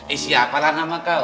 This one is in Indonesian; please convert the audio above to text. eh siapalah nama kau